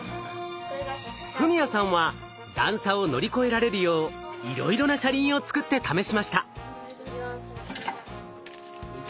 史哉さんは段差を乗り越えられるよういろいろな車輪を作って試しました。